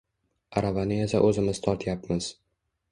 Aravani esa oʻzimiz tortyapmiz.